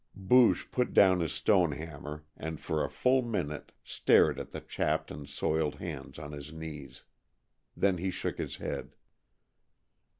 Booge put down his stone hammer and for a full minute stared at the chapped and soiled hands on his knees. Then he shook his head.